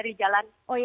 terima kasih sherly